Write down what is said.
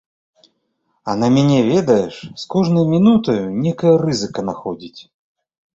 А на мяне ведаеш, з кожнай мінутаю нейкая рызыка находзіць.